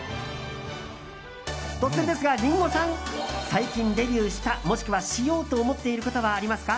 突然ですが、リンゴさん！最近デビューしたもしくは、しようと思っていることはありますか？